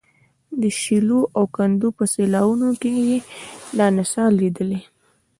د شیلو او کندو په سیلاوونو کې یې دا نڅا لیدلې.